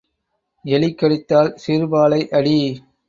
எலி கடித்தால் சிறுபாலை அடி.